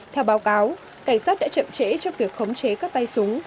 theo báo cáo cảnh sát đã chậm trễ trong việc khống chế các tay súng